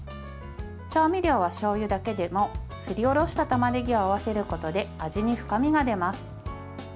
調味料は、しょうゆだけでもすりおろしたたまねぎを合わせることで味に深みが出ます。